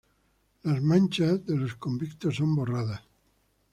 Las manchas de los convictos son borradas.